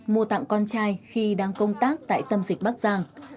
mua tặng con trai khi đang công tác tại tâm dịch bắc giang